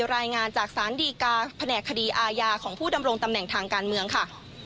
รายงานจากศาลดีกาแผนกคดีอาญาของผู้ดำรงตำแหน่งทางการเมืองค่ะ